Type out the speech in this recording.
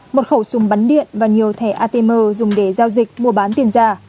một khẩu súng bắn điện và nhiều thẻ atm dùng để giao dịch mua bán tiền giả